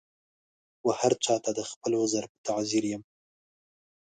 وهرچا ته د خپل عذر په تعذیر یم